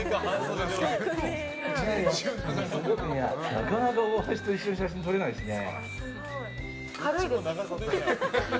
なかなかオオハシと一緒に写真撮れないですよね。